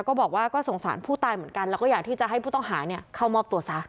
ก็บอกว่าก็สงสารผู้ตายเหมือนกันแล้วก็อยากที่จะให้ผู้ต้องหาเข้ามอบตัวซะ